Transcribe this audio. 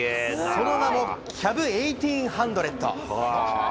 その名もキャブ１８００。